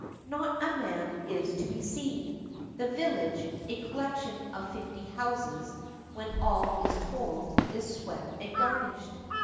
Not a man is to be seen. The village, a collection of fifty houses, when all is told, is swept and garnished.